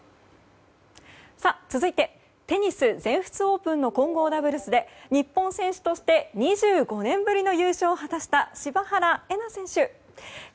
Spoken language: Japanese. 続いて、テニス全仏オープンの混合ダブルスで日本選手として２５年ぶりの優勝を果たした柴原瑛菜選手。